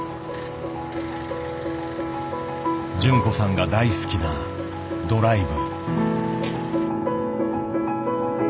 純子さんが大好きなドライブ。